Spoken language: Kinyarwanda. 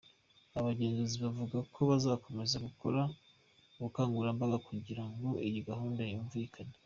Aba bagenzuzi bavuga ko bazakomeza gukora ubukangurambaga kugira ngo iyi gahunda yumvikane.